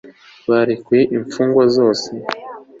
barekuye imfungwa zose